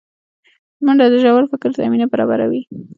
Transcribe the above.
منډه د ژور فکر زمینه برابروي